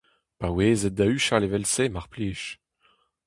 Paouezit da huchal evel-se mar plij.